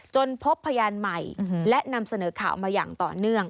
พบพยานใหม่และนำเสนอข่าวมาอย่างต่อเนื่อง